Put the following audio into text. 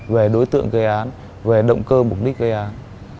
về đối tượng gây án về động cơ mục đích gây án